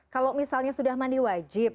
kalau misalnya sudah mandi wajib